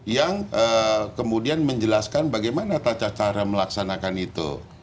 yang kemudian menjelaskan bagaimana tata cara melaksanakan itu